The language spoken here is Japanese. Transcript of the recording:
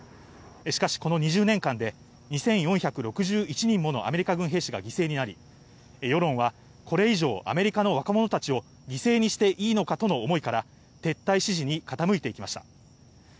しかしこの２０年間で２４６１人ものアメリカ軍兵士が犠牲になり、世論はこれ以上アメリカの若者たちを犠牲にしていいのかとの思いから撤退支持に傾いていきました。